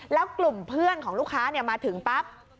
แล้วกลุ่มเพื่อนของลูกค้ามาถึงปั๊บ